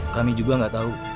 kami juga gak tau